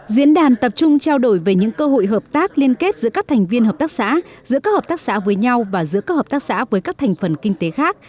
diễn đàn tập trung trao đổi về những cơ hội hợp tác liên kết giữa các thành viên hợp tác xã giữa các hợp tác xã với nhau và giữa các hợp tác xã với các thành phần kinh tế khác